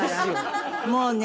もうね。